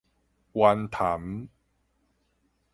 灣潭